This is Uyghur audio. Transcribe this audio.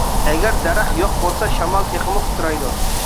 ئەگەر دەرەخ يوق بولسا شامال تېخىمۇ قۇترايدۇ.